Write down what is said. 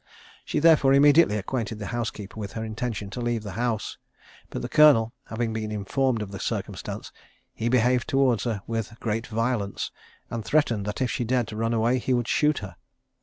She therefore immediately acquainted the housekeeper with her intention to leave the house; but the colonel having been informed of the circumstance, he behaved towards her with great violence, and threatened that if she dared to run away, he would shoot her.